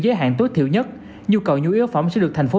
giới hạn tối thiểu nhất nhu cầu nhu yếu phải